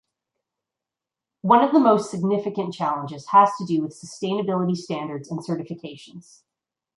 One of the most significant challenges has to do with sustainability standards and certifications.